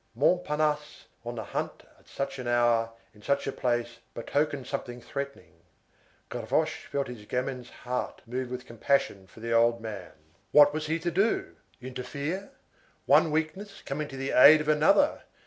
Montparnasse on the hunt at such an hour, in such a place, betokened something threatening. Gavroche felt his gamin's heart moved with compassion for the old man. What was he to do? Interfere? One weakness coming to the aid of another!